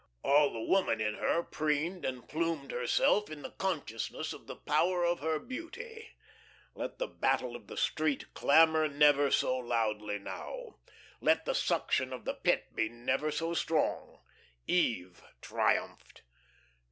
All the woman in her preened and plumed herself in the consciousness of the power of her beauty. Let the Battle of the Street clamour never so loudly now, let the suction of the Pit be never so strong, Eve triumphed.